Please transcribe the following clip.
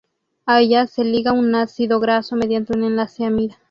A ella se liga un ácido graso mediante un enlace amida.